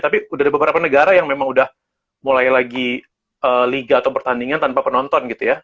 tapi udah ada beberapa negara yang memang udah mulai lagi liga atau pertandingan tanpa penonton gitu ya